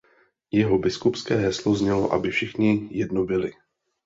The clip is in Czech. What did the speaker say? Jeho biskupské heslo znělo „Aby všichni jedno byli“.